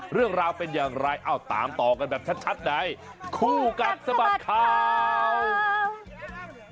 เรื่องราวเป็นอย่างไรเอ้าตามต่อกันแบบชัดในคู่กัดสะบัดข่าว